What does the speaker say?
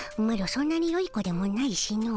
そんなによい子でもないしの。